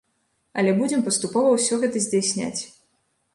Але будзем паступова ўсё гэта здзяйсняць.